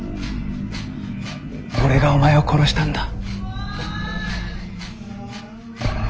俺がお前を殺したんだ。